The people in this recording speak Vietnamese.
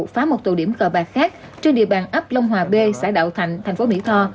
phá một tụ điểm cờ bạc khác trên địa bàn ấp long hòa b xã đạo thạnh thành phố mỹ tho